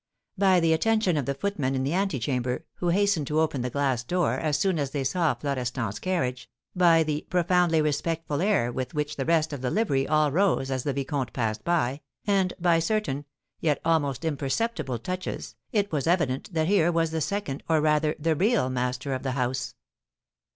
By the attention of the footmen in the antechamber, who hastened to open the glass door as soon as they saw Florestan's carriage, by the profoundly respectful air with which the rest of the livery all rose as the vicomte passed by, and by certain, yet almost imperceptible touches, it was evident that here was the second, or, rather, the real master of the house.